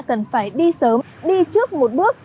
cần phải đi sớm đi trước một bước